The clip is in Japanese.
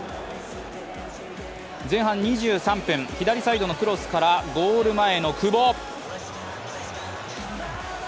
前半２３分、左サイドのクロスからゴール前の久保。